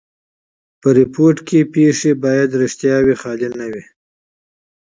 په ریپورټ کښي پېښي باید ریښتیا وي؛ خیالي نه وي.